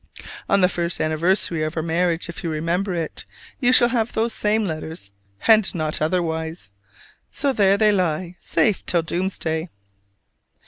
On the first anniversary of our marriage, if you remember it, you shall have those same letters: and not otherwise. So there they lie safe till doomsday!